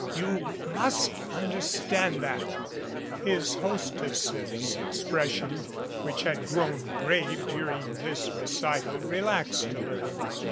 You must understand that." His hostess's expression, which had grown grave dur ing this recital, relaxed a little.